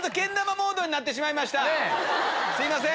すいません。